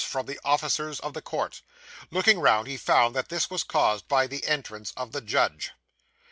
from the officers of the court. Looking round, he found that this was caused by the entrance of the judge.